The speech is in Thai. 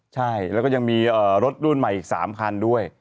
ใช่แล้วก็ยังมีรถรุ่นใหม่อีก๓คันด้วย